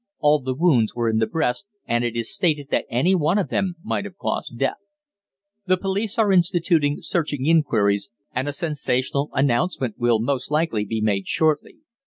All the wounds were in the breast, and it is stated that any one of them might have caused death. The police are instituting searching inquiries, and a sensational announcement will most likely be made shortly.